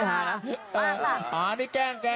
อ้านี่แกล้งนะค่ะ